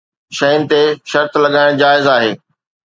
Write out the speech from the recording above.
شين تي شرط لڳائڻ جائز آهي.